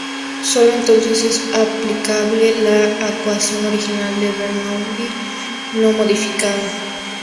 Sólo entonces es aplicable la ecuación original de Bernoulli, no modificada.